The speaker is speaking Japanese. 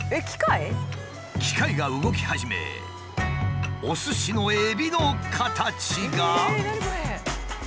機械が動き始めおすしのエビの形が。